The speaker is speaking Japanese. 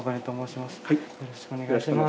よろしくお願いします。